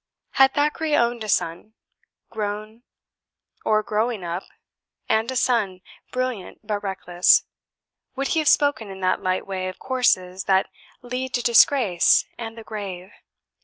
Had Thackeray owned a son, grown, or growing up, and a son, brilliant but reckless would he have spoken in that light way of courses that lead to disgrace and the grave?